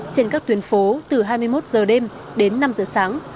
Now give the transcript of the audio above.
trên các tuyến phố từ hai mươi một giờ đêm đến năm giờ sáng